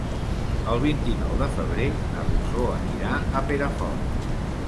El vint-i-nou de febrer na Rosó anirà a Perafort.